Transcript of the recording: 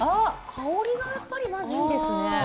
香りがやっぱりまずいいですね。